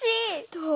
どう？